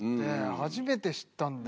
初めて知ったんで。